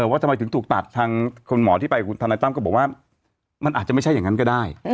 ว่าทำไมถึงถูกตัดทางคุณหมอที่ไปคุณธนายตั้มก็บอกว่ามันอาจจะไม่ใช่อย่างนั้นก็ได้